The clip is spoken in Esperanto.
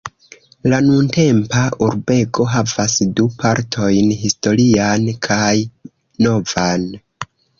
La nuntempa urbego havas du partojn: historian kaj novan.